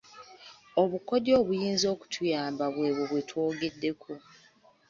Obukodyo obuyinza okutuyamba bwe bwo bwe twogeddeko.